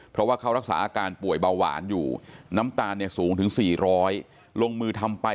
เพราะว่าเขารักษาอาการป่วยเบาหวานอยู่น้ำตาลสูงถึง๔๐๐ลงมือทำไป